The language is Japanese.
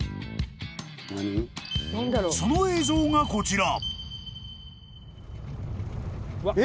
［その映像がこちら］